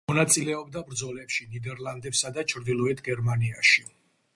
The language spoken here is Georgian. მონაწილეობდა ბრძოლებში ნიდერლანდებსა და ჩრდილოეთ გერმანიაში.